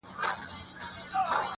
د ګوربت- باز او شاهین خبري مه کړئ-